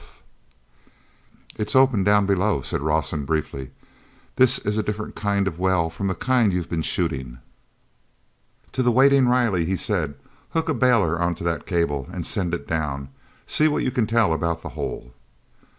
"It's open down below," said Rawson briefly. "This is a different kind of a well from the kind you've been shooting." To the waiting Riley he said: "Hook a bailer onto that cable and send it down. See what you can tell about the hole."